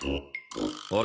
あれ？